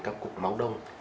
các cục máu đông